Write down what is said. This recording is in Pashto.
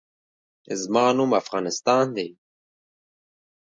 زما نوم افغانستان دی